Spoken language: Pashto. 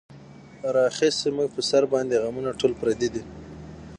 راغیستې مونږ پۀ سر باندې غمونه ټول پردي دي